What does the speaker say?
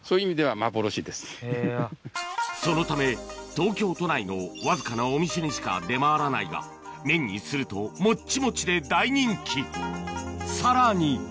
そのため東京都内のわずかなお店にしか出回らないが麺にするとモッチモチで大人気さらに